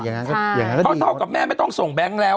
อย่างนั้นก็ดีเพราะเท่ากับแม่ไม่ต้องส่งแบงค์แล้ว